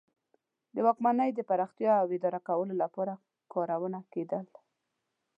د واکمنۍ د پراختیا او اداره کولو لپاره کارونه کیدل.